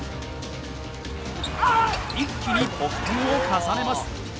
一気に得点を重ねます。